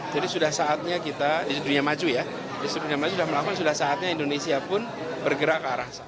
jadi sudah saatnya kita di dunia maju ya sudah saatnya indonesia pun bergerak ke arah sana